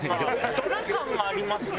ドラ感がありますね。